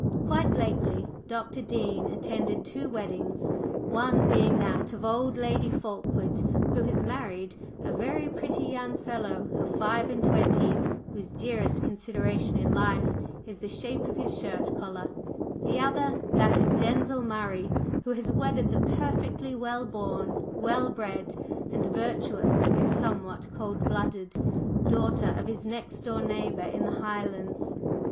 Quite lately Dr. Dean attended two weddings, one being that of "old" Lady Fulkeward, who has married a very pretty young fellow of five and twenty, whose dearest consideration in life is the shape of his shirt collar; the other, that of Denzil Murray, who has wedded the perfectly well born, well bred and virtuous, if somewhat cold blooded, daughter of his next door neighbor in the Highlands.